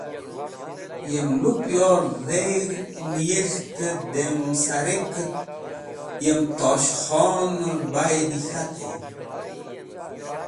Yem lupyor dheg̃h niyes̃hte dem sar-e ark et yem Tosh Khoner baydi k̃hatey.